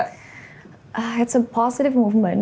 itu pergerakan yang positif